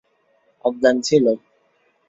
অজ্ঞান ছিলো।